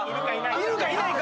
いるかいないか。